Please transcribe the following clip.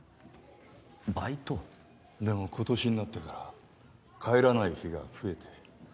バイト？でも今年になってから帰らない日が増えて。